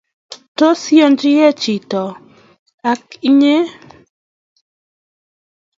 Tos iyanyekei chito ake inye?